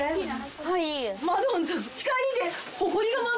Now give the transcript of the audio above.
はい。